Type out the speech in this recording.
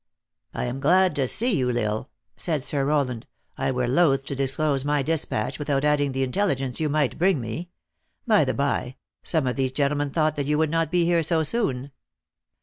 "I am glad to see you, L Isle," said Sir Rowland. "I were loath to close my dispatch without adding the intelligence you might bring me. By the bye, some of these gentlemen thought that you would not be here so soon."